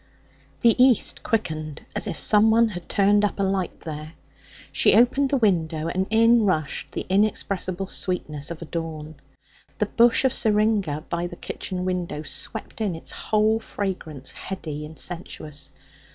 The east quickened, as if someone had turned up a light there. She opened the window, and in rushed the inexpressible sweetness of dawn. The bush of syringa by the kitchen window swept in its whole fragrance, heady and sensuous.